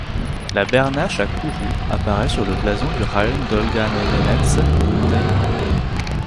La bernache à cou roux apparaît sur le blason du Raïon dolgano-nénètse de Taïmyr.